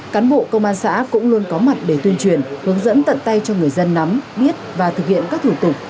cán bộ công an xã cũng luôn có mặt để tuyên truyền hướng dẫn tận tay cho người dân nắm biết và thực hiện các thủ tục